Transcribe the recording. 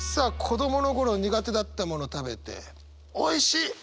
子どもの頃苦手だったもの食べておいしい！